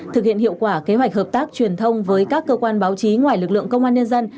thực hiện hiệu quả kế hoạch hợp tác truyền thông với các cơ quan báo chí ngoài lực lượng công an nhân dân